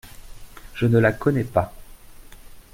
Je ne la connais pas…